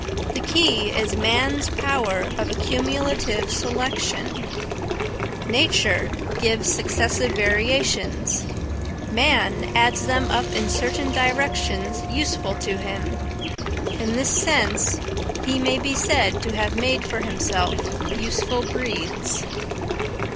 The key is man's power of accumulative selection: nature gives successive variations; man adds them up in certain directions useful to him. In this sense he may be said to have made for himself useful breeds.